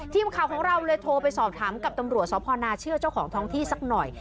ทีมข่าวของเราเลยโทรไปสอบถามกับตำรวจสพนาเชื่อเจ้าของท้องที่สักหน่อย